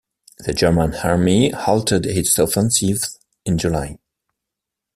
The German Army halted its offensives in July.